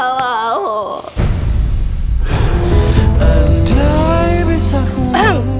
bapak gak mau